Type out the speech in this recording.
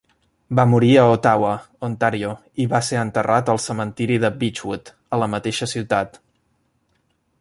Va morir a Ottawa, Ontario, i va ser enterrat al cementiri de Beechwood a la mateixa ciutat.